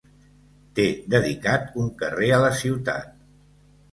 Té dedicat un carrer a la ciutat.